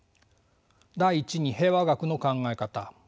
第１に平和学の考え方